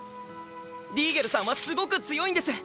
ディーゲルさんはすごく強いんです。